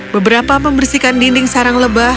beberapa membersihkan dinding sarang lebah